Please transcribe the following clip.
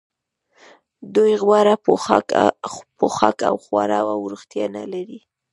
دوی غوره پوښاک او خواړه او روغتیا نلري